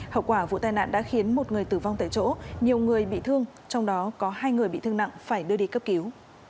hậu quả vụ tai nạn đã khiến một người tử vong tại chỗ nhiều người bị thương trong đó có hai người bị thương nặng phải đưa đi cấp cứu